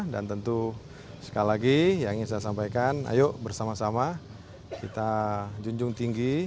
dan tentu sekali lagi yang ingin saya sampaikan ayo bersama sama kita junjung tinggi